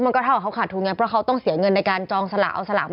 เท่ากับเขาขาดทุนไงเพราะเขาต้องเสียเงินในการจองสลากเอาสลากมา